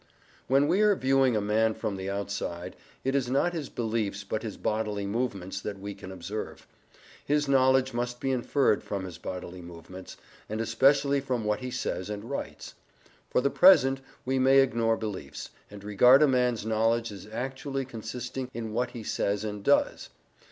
When we are viewing a man from the outside, it is not his beliefs, but his bodily movements, that we can observe. His knowledge must be inferred from his bodily movements, and especially from what he says and writes. For the present we may ignore beliefs, and regard a man's knowledge as actually consisting in what he says and does.